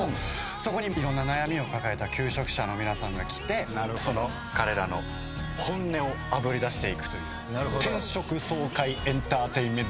そこにいろんな悩みを抱えた求職者の皆さんが来てその彼らの本音をあぶり出していくという。